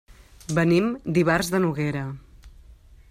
Venim d'Ivars de Noguera.